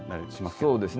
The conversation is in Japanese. そうですね。